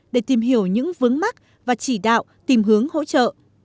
để tìm hiểu những vướng mắt và chỉ đạo tìm hướng hỗ trợ